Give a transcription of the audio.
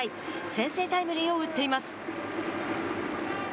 先制タイムリーを打っています。